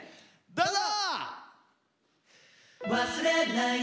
どうぞ！